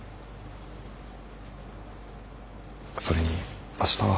それに明日は。